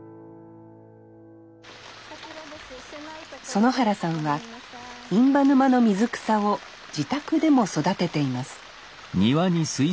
園原さんは印旛沼の水草を自宅でも育てています